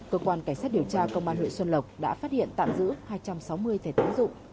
cơ quan cảnh sát điều tra công an huyện xuân lộc đã phát hiện tạm giữ hai trăm sáu mươi thẻ tín dụng